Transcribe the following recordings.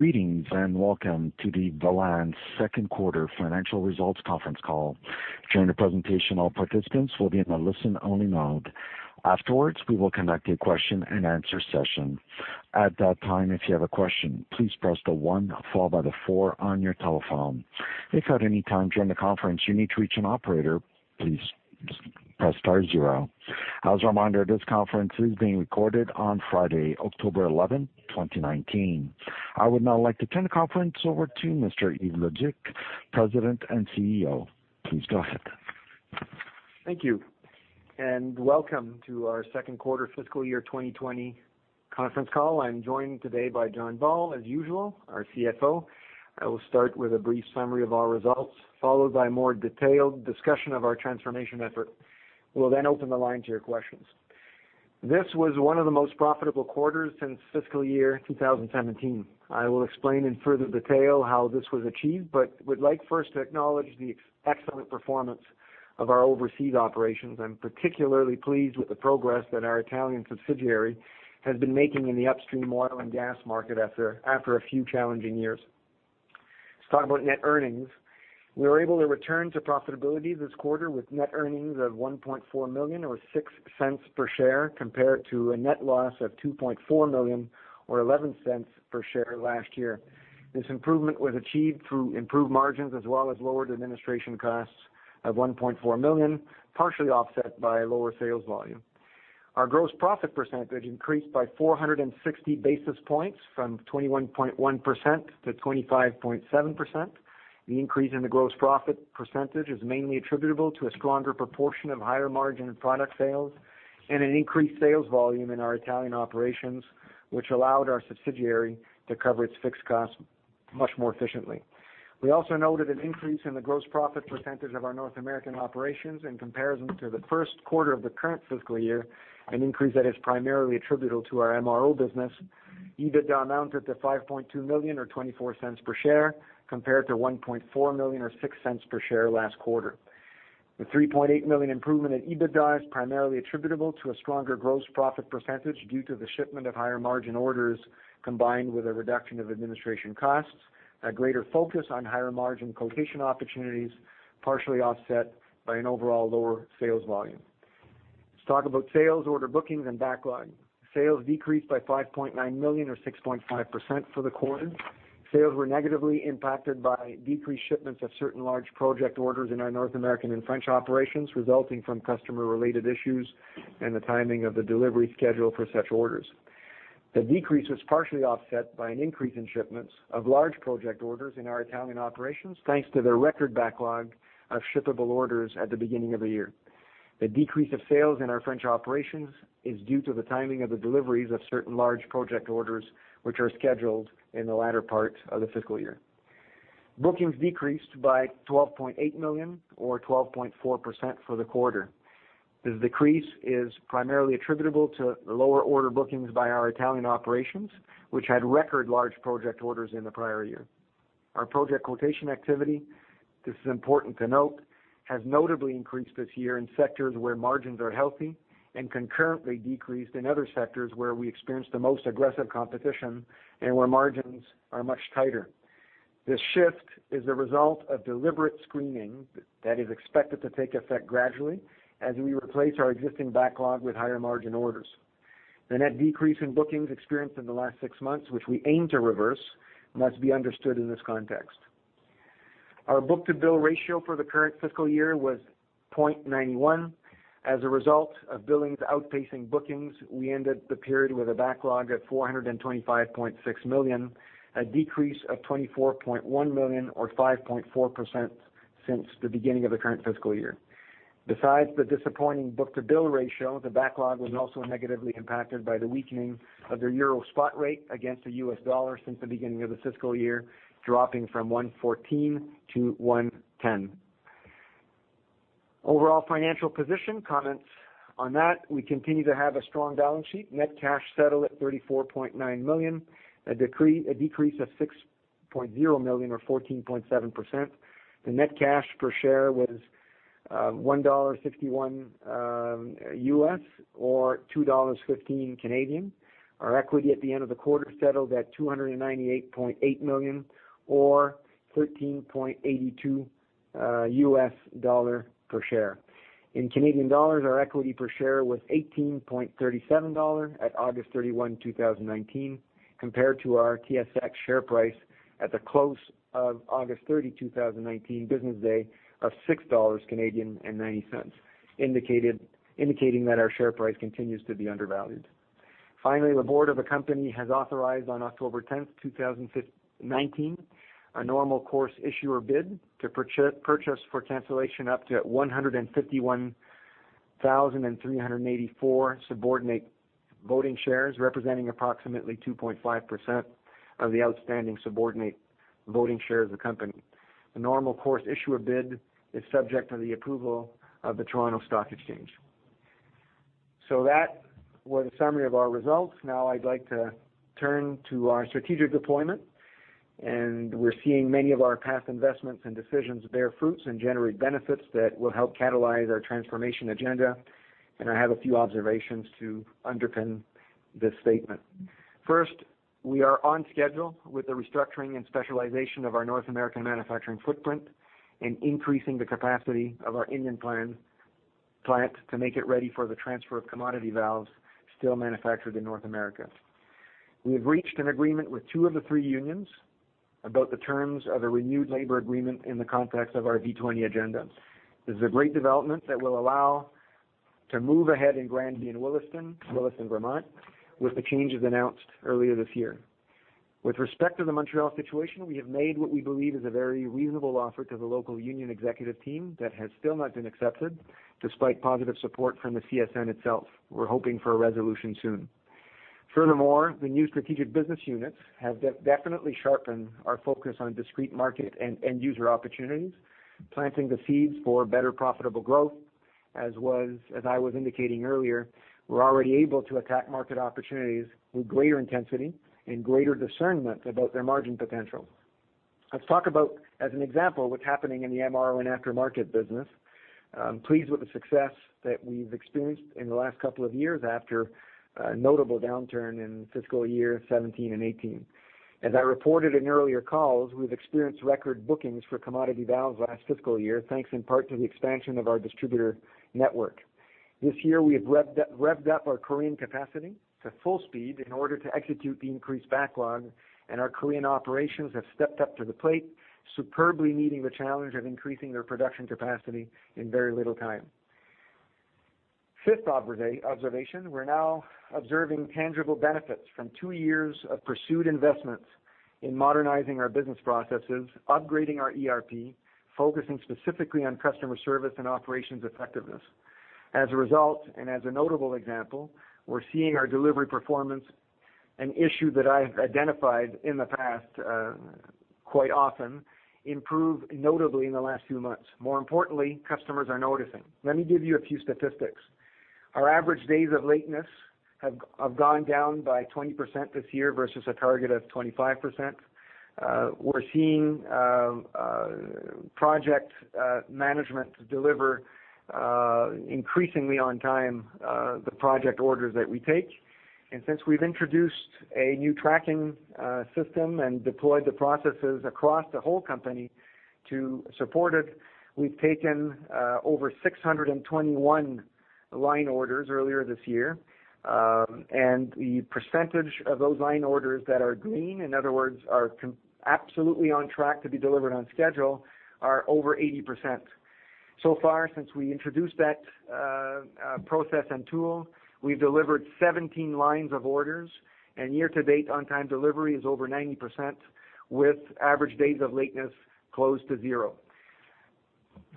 Greetings, welcome to the Velan second quarter financial results conference call. During the presentation, all participants will be in a listen-only mode. Afterwards, we will conduct a question and answer session. At that time, if you have a question, please press the one followed by the four on your telephone. If at any time during the conference you need to reach an operator, please press star zero. As a reminder, this conference is being recorded on Friday, October 11th, 2019. I would now like to turn the conference over to Mr. Yves Leduc, President and CEO. Please go ahead. Thank you. Welcome to our second quarter fiscal year 2020 conference call. I'm joined today by John Ball, as usual, our CFO. I will start with a brief summary of our results, followed by more detailed discussion of our transformation effort. We will open the line to your questions. This was one of the most profitable quarters since fiscal year 2017. I will explain in further detail how this was achieved. Would like first to acknowledge the excellent performance of our overseas operations. I'm particularly pleased with the progress that our Italian subsidiary has been making in the upstream oil and gas market after a few challenging years. Let's talk about net earnings. We were able to return to profitability this quarter with net earnings of 1.4 million or 0.06 per share compared to a net loss of 2.4 million or 0.11 per share last year. This improvement was achieved through improved margins as well as lowered administration costs of 1.4 million, partially offset by lower sales volume. Our gross profit percentage increased by 460 basis points from 21.1% to 25.7%. The increase in the gross profit percentage is mainly attributable to a stronger proportion of higher margin product sales and an increased sales volume in our Italian operations, which allowed our subsidiary to cover its fixed costs much more efficiently. We also noted an increase in the gross profit percentage of our North American operations in comparison to the first quarter of the current fiscal year, an increase that is primarily attributable to our MRO business. EBITDA amounted to 5.2 million or 0.24 per share, compared to 1.4 million or 0.06 per share last quarter. The 3.8 million improvement in EBITDA is primarily attributable to a stronger gross profit % due to the shipment of higher margin orders, combined with a reduction of administration costs, a greater focus on higher margin quotation opportunities, partially offset by an overall lower sales volume. Let's talk about sales, order bookings and backlog. Sales decreased by 5.9 million or 6.5% for the quarter. Sales were negatively impacted by decreased shipments of certain large project orders in our North American and French operations, resulting from customer related issues and the timing of the delivery schedule for such orders. The decrease was partially offset by an increase in shipments of large project orders in our Italian operations, thanks to their record backlog of shippable orders at the beginning of the year. The decrease of sales in our French operations is due to the timing of the deliveries of certain large project orders, which are scheduled in the latter part of the fiscal year. Bookings decreased by 12.8 million or 12.4% for the quarter. This decrease is primarily attributable to lower order bookings by our Italian operations, which had record large project orders in the prior year. Our project quotation activity, this is important to note, has notably increased this year in sectors where margins are healthy and concurrently decreased in other sectors where we experienced the most aggressive competition and where margins are much tighter. This shift is a result of deliberate screening that is expected to take effect gradually as we replace our existing backlog with higher margin orders. The net decrease in bookings experienced in the last six months, which we aim to reverse, must be understood in this context. Our book-to-bill ratio for the current fiscal year was 0.91. As a result of billings outpacing bookings, we ended the period with a backlog at 425.6 million, a decrease of 24.1 million or 5.4% since the beginning of the current fiscal year. Besides the disappointing book-to-bill ratio, the backlog was also negatively impacted by the weakening of the euro spot rate against the US dollar since the beginning of the fiscal year, dropping from 114 to 110. Overall financial position, comments on that. We continue to have a strong balance sheet. Net cash settled at 34.9 million, a decrease of 6.0 million or 14.7%. The net cash per share was $1.51 or C$2.15. Our equity at the end of the quarter settled at CAD 298.8 million, or $13.82 per share. In Canadian dollars, our equity per share was C$18.37 at August 31, 2019, compared to our TSX share price at the close of August 30, 2019 business day of C$6.90, indicating that our share price continues to be undervalued. Finally, the board of the company has authorized on October 10, 2019, a normal course issuer bid to purchase for cancellation up to 151,384 subordinate voting shares, representing approximately 2.5% of the outstanding subordinate voting shares of the company. The normal course issuer bid is subject to the approval of the Toronto Stock Exchange. That was a summary of our results. Now I'd like to turn to our strategic deployment, we're seeing many of our past investments and decisions bear fruits and generate benefits that will help catalyze our transformation agenda. I have a few observations to underpin this statement. First, we are on schedule with the restructuring and specialization of our North American manufacturing footprint and increasing the capacity of our Indian plant to make it ready for the transfer of commodity valves still manufactured in North America. We have reached an agreement with two of the three unions about the terms of a renewed labor agreement in the context of our V20 agenda. This is a great development that will allow to move ahead in Granby and Williston, Vermont, with the changes announced earlier this year. With respect to the Montreal situation, we have made what we believe is a very reasonable offer to the local union executive team that has still not been accepted, despite positive support from the CSN itself. We're hoping for a resolution soon. Furthermore, the new strategic business units have definitely sharpened our focus on discrete market and end-user opportunities, planting the seeds for better profitable growth. As I was indicating earlier, we're already able to attack market opportunities with greater intensity and greater discernment about their margin potential. Let's talk about, as an example, what's happening in the MRO and aftermarket business. I'm pleased with the success that we've experienced in the last couple of years after a notable downturn in fiscal year 2017 and 2018. As I reported in earlier calls, we've experienced record bookings for commodity valves last fiscal year, thanks in part to the expansion of our distributor network. This year, we have revved up our Korean capacity to full speed in order to execute the increased backlog, and our Korean operations have stepped up to the plate, superbly meeting the challenge of increasing their production capacity in very little time. Fifth observation: we're now observing tangible benefits from 2 years of pursued investments in modernizing our business processes, upgrading our ERP, focusing specifically on customer service and operations effectiveness. As a result, and as a notable example, we're seeing our delivery performance, an issue that I have identified in the past quite often, improve notably in the last few months. More importantly, customers are noticing. Let me give you a few statistics. Our average days of lateness have gone down by 20% this year versus a target of 25%. We're seeing project management deliver increasingly on time the project orders that we take. Since we've introduced a new tracking system and deployed the processes across the whole company to support it, we've taken over 621 line orders earlier this year. The percentage of those line orders that are green, in other words, are absolutely on track to be delivered on schedule, are over 80%. So far, since we introduced that process and tool, we've delivered 17 lines of orders, and year-to-date on-time delivery is over 90% with average days of lateness close to zero.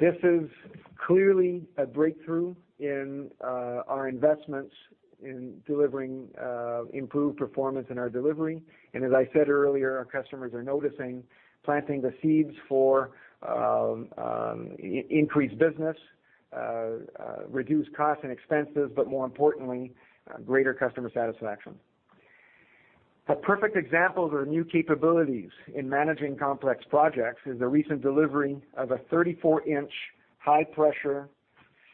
This is clearly a breakthrough in our investments in delivering improved performance in our delivery. As I said earlier, our customers are noticing, planting the seeds for increased business, reduced cost and expenses, but more importantly, greater customer satisfaction. A perfect example of our new capabilities in managing complex projects is the recent delivery of a 34-inch, high-pressure,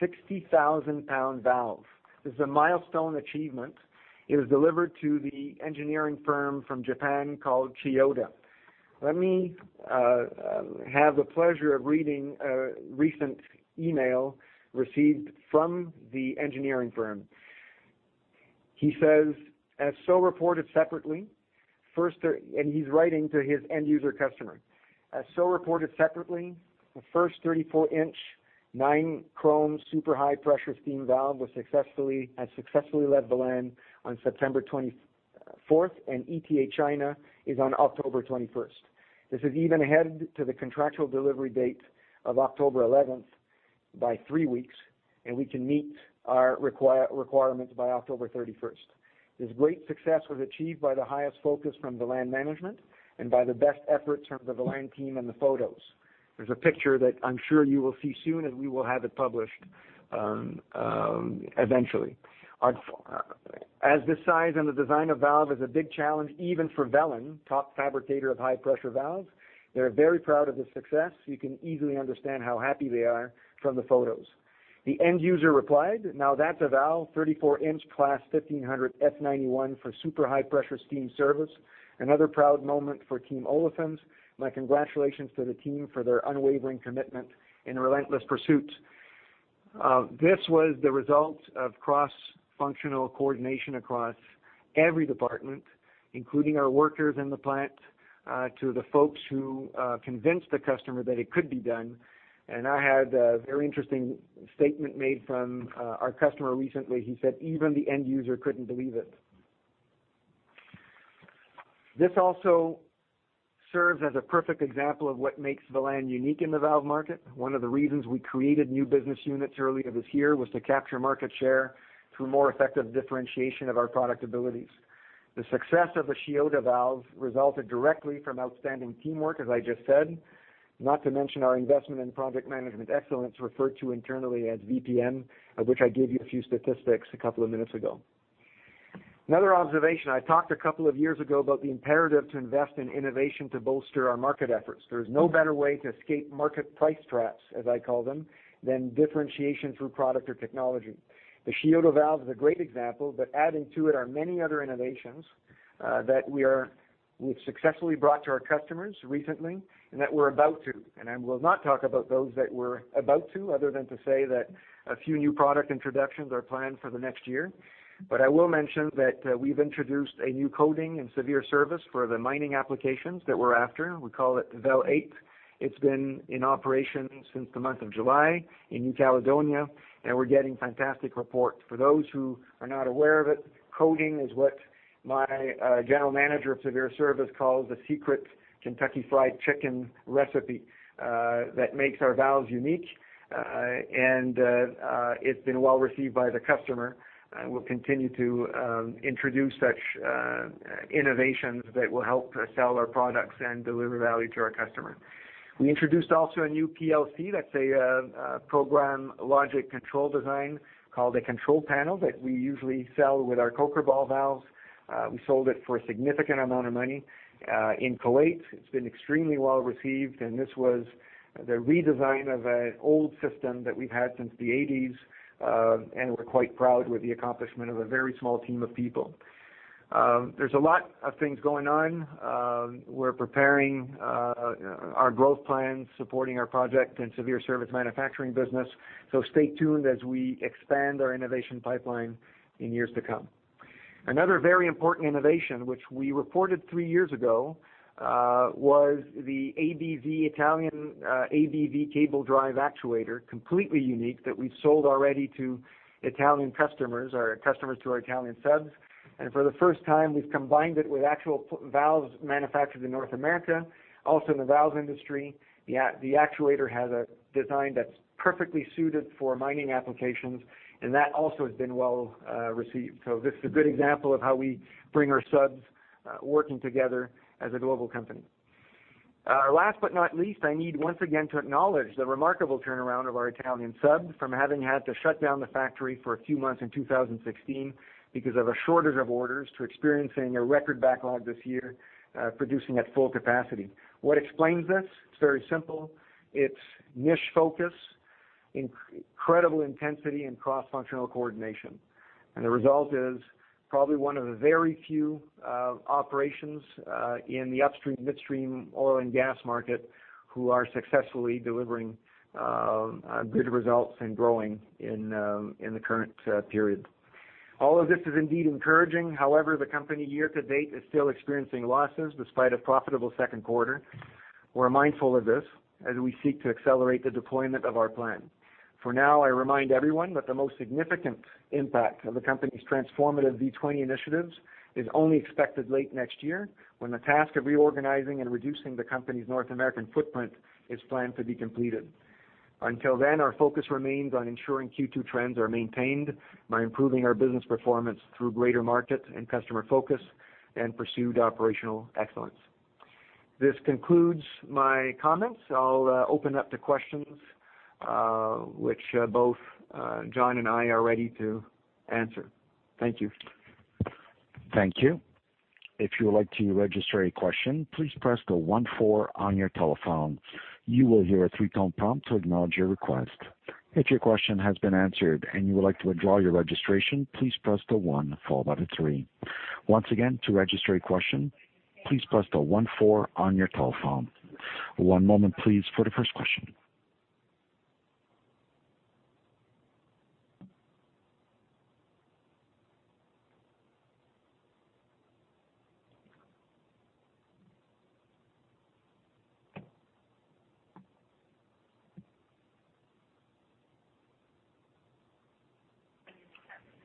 60,000-pound valve. This is a milestone achievement. It was delivered to the engineering firm from Japan called Chiyoda Corporation. Let me have the pleasure of reading a recent email received from the engineering firm. He says: "As so reported separately." He's writing to his end-user customer. "As so reported separately, the first 34-inch, 9Cr, super high-pressure steam valve has successfully left Velan Inc. on September 24th, and ETA China is on October 21st. This is even ahead to the contractual delivery date of October 11th by three weeks, and we can meet our requirements by October 31st. This great success was achieved by the highest focus from Velan Inc. management and by the best efforts from the Velan Inc. team and the photos." There's a picture that I'm sure you will see soon, and we will have it published eventually. As this size and the design of valve is a big challenge even for Velan, top fabricator of high-pressure valves, they are very proud of this success. You can easily understand how happy they are from the photos. The end user replied: "Now that's a valve, 34-inch class 1,500 F91 for super high-pressure steam service. Another proud moment for Team Olefins. My congratulations to the team for their unwavering commitment and relentless pursuit." This was the result of cross-functional coordination across every department, including our workers in the plant to the folks who convinced the customer that it could be done. I had a very interesting statement made from our customer recently. He said even the end user couldn't believe it. This also serves as a perfect example of what makes Velan unique in the valve market. One of the reasons we created new business units earlier this year was to capture market share through more effective differentiation of our product abilities. The success of the Chiyoda valve resulted directly from outstanding teamwork, as I just said, not to mention our investment in project management excellence, referred to internally as VPM, of which I gave you a few statistics a couple of minutes ago. Another observation: I talked a couple of years ago about the imperative to invest in innovation to bolster our market efforts. There is no better way to escape market price traps, as I call them, than differentiation through product or technology. The shield valve is a great example, but adding to it are many other innovations that we've successfully brought to our customers recently and that we're about to, and I will not talk about those that we're about to, other than to say that a few new product introductions are planned for the next year. I will mention that we've introduced a new coating in severe service for the mining applications that we're after. We call it VEL EIGHT. It's been in operation since the month of July in New Caledonia, and we're getting fantastic reports. For those who are not aware of it, coating is what my general manager of severe service calls the secret Kentucky Fried Chicken recipe that makes our valves unique. It's been well-received by the customer, and we'll continue to introduce such innovations that will help sell our products and deliver value to our customer. We introduced also a new PLC. That's a program logic control design called a control panel that we usually sell with our coker ball valves. We sold it for a significant amount of money in Kuwait. It's been extremely well-received, and this was the redesign of an old system that we've had since the 1980s, and we're quite proud with the accomplishment of a very small team of people. There's a lot of things going on. We're preparing our growth plan, supporting our project and severe service manufacturing business. Stay tuned as we expand our innovation pipeline in years to come. Another very important innovation, which we reported three years ago, was the Velan ABV, Velan ABV cable drive actuator, completely unique, that we've sold already to Italian customers or customers to our Italian subs. For the first time, we've combined it with actual valves manufactured in North America, also in the valve industry. The actuator has a design that's perfectly suited for mining applications, and that also has been well-received. This is a good example of how we bring our subs working together as a global company. Last but not least, I need once again to acknowledge the remarkable turnaround of our Italian subs from having had to shut down the factory for a few months in 2016 because of a shortage of orders, to experiencing a record backlog this year, producing at full capacity. What explains this? It's very simple. It's niche focus, incredible intensity, and cross-functional coordination. The result is probably one of the very few operations in the upstream, midstream oil and gas market who are successfully delivering good results and growing in the current period. All of this is indeed encouraging. However, the company year to date is still experiencing losses despite a profitable second quarter. We're mindful of this as we seek to accelerate the deployment of our plan. For now, I remind everyone that the most significant impact of the company's transformative V20 initiatives is only expected late next year when the task of reorganizing and reducing the company's North American footprint is planned to be completed. Until then, our focus remains on ensuring Q2 trends are maintained by improving our business performance through greater market and customer focus and pursued operational excellence. This concludes my comments. I'll open up to questions, which both John and I are ready to answer. Thank you. Thank you. If you would like to register a question, please press the 14 on your telephone. You will hear a three-tone prompt to acknowledge your request. If your question has been answered and you would like to withdraw your registration, please press the one followed by the three. Once again, to register a question, please press the 14 on your telephone. One moment, please, for the first question.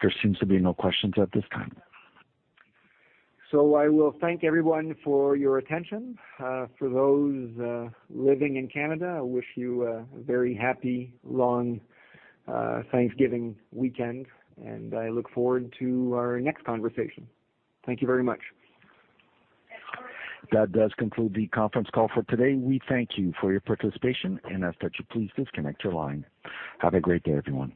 There seems to be no questions at this time. I will thank everyone for your attention. For those living in Canada, I wish you a very happy, long Thanksgiving weekend, and I look forward to our next conversation. Thank you very much. That does conclude the conference call for today. We thank you for your participation, and ask that you please disconnect your line. Have a great day, everyone.